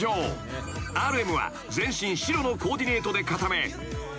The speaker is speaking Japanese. ［ＲＭは全身白のコーディネートで固め］